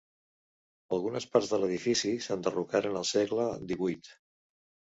Algunes parts de l'edifici s'enderrocaren al segle XVIII.